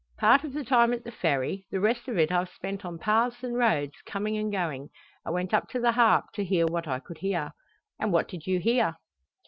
"Part of the time at the Ferry; the rest of it I've spent on paths and roads coming and going. I went up to the Harp to hear what I could hear." "And what did you hear?"